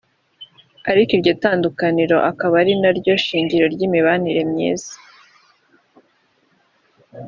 ariko iryo tandukaniro rikaba ari ryo shingiro ry’imibanire myiza”